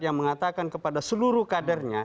yang mengatakan kepada seluruh kadernya